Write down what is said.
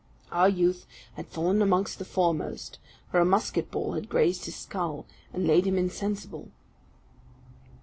Our youth had fallen amongst the foremost; for a musket ball had grazed his skull, and laid him insensible.